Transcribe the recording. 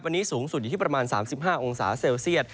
วันนี้สูงสุดอยู่ที่ประมาณ๓๕องศาเซลเซียต